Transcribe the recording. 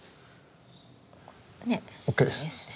ＯＫです。